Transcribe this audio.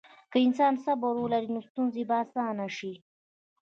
که انسان صبر ولري، نو ستونزې به اسانه شي.